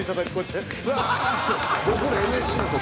僕らＮＳＣの時